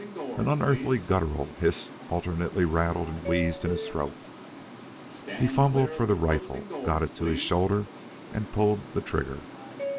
An unearthly guttural hiss alternately rattled and wheezed in his throat. He fumbled for the rifle, got it to his shoulder, and pulled the trigger.